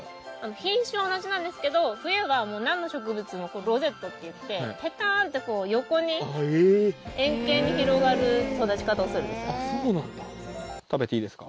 品種は同じなんですけど冬はなんの植物もロゼットっていってペターンってこう横に円形に広がる育ち方をするんですよ。